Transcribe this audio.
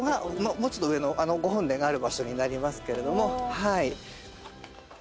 もうちょっと上の御本殿がある場所になりますけれども。